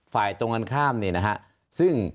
ฝ่ายตรงกันข้ามเนี่ยนะฮะซึ่ง